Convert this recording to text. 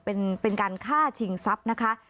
เป็นการฆ่าชิงทรัพย์นะคะ